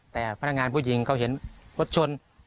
แต่พนักงานผู้หญิงเขาเห็นรถชน